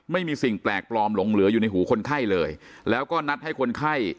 ไม่มีสิ่งแปลกปลอมหลงเหลืออยู่ในหูคนไข้เลยแล้วก็นัดให้คนไข้